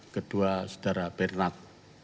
kedua sedara bernat